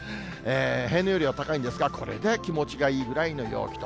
平年よりは高いんですが、これで気持ちがいいぐらいの陽気と。